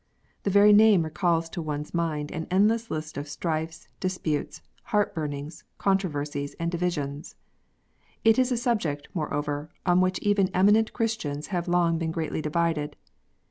The very name recalls to one s mind an endless list of strifes, disputes, heart burnings, controversies, and divisions. It is a subject, moreover, on which even eminent Christians have long been greatly divided.